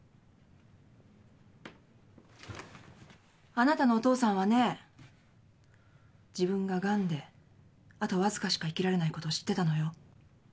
あなたのお父さんはね自分がガンであとわずかしか生きられないこと知ってたのよ。